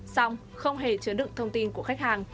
xong không hề chứa đựng thông tin của khách hàng